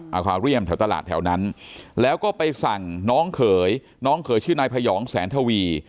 อาคาเรียมแถวตลาดแถวนั้นแล้วก็ไปสั่งน้องเขยน้องเขยชื่อนายพยองแสนทวี